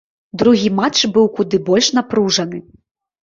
Другі матч быў куды больш напружаны.